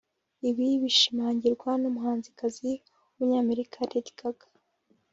Ibi bishimangirwa n’umuhanzikazi w’umunyamerika Lady Gaga